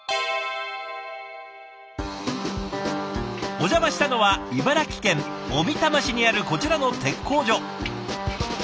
お邪魔したのは茨城県小美玉市にあるこちらの鉄工所。